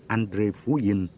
andre phú yên